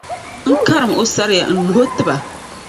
n karim’ o saria n-luh’ o ti ba.